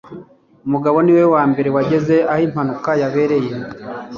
Mugabo niwe wambere wageze aho impanuka yabereye.